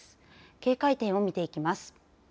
警戒点を見ていきます。